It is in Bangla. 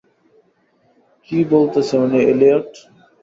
কি বলতেছে উনি এলিয়ট?